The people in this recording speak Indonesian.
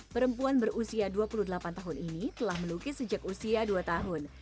perempuan berusia dua puluh delapan tahun ini telah melukis sejak usia dua tahun